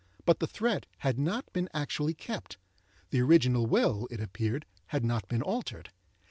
But the threat had not been actually kept; the original will, it appeared, had not been altered.